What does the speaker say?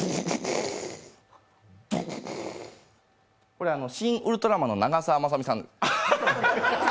これ、「シン・ウルトラマン」の長澤まさみさん。